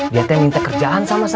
dia teh minta kerjaan sama saya